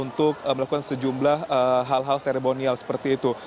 untuk melakukan sejumlah hal hal seremonial seperti itu